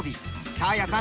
サーヤさん